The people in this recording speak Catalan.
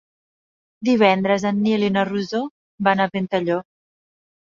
Divendres en Nil i na Rosó van a Ventalló.